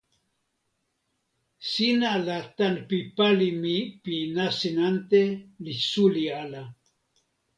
sina la tan pi pali mi pi nasin ante li suli ala.